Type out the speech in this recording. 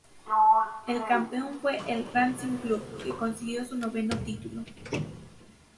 El campeón fue el Racing Club, que consiguió su noveno título.